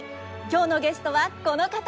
今日のゲストはこの方です。